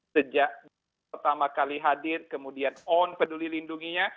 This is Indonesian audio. sejak pertama kali hadir kemudian on peduli lindunginya